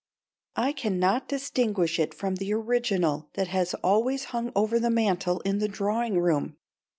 I cannot distinguish it from the original that has always hung over the mantel in the drawing room.